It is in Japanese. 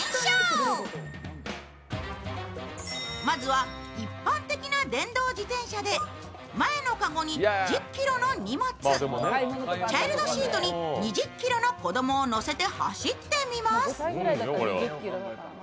まずは一般的な電動自転車で前の籠に１０ｋｇの荷物、チャイルドシートに２０ｋｇの子供を乗せて走ってみます。